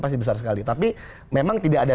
pasti besar sekali tapi memang tidak ada